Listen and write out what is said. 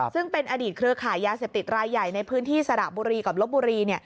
ซึ่งเป็นอดีตเครือขายยาเสพติดรายใหญ่ในพื้นที่สระบุรีกับลบบุรี